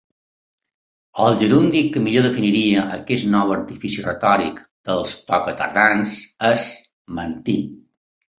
El gerundi que millor definiria aquest nou artifici retòric dels tocatardans és «mentint».